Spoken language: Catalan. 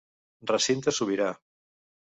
Recinte sobirà.